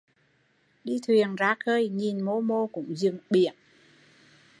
Đi thuyền ra khơi, nhìn mô mô cũng dững biển